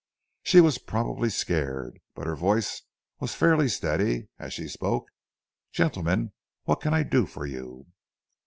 She was probably scared, but her voice was fairly steady as she spoke. 'Gentlemen, what can I do for you?'